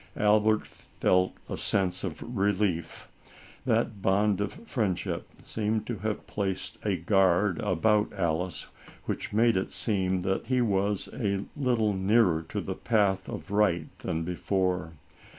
Albert felt a sense of relief. That bond of friendship seemed to have placed a guard about Alice, which made it seem that he was a little nearer to the path of right than before.